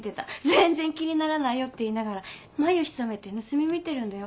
全然気にならないよって言いながら眉ひそめて盗み見てるんだよ。